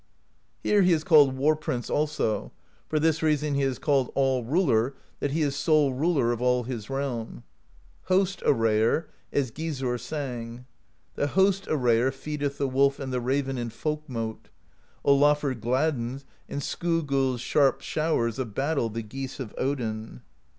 Here he is called War Prince also; for this reason he is called All Ruler, that he is sole Ruler of all his realm. Host Arrayer, as Gizurr sang: The Host Arrayer feedeth The wolf and the raven in folk mote; Olafr gladdens, in Skogul's sharp showers Of battle, the geese of Odin.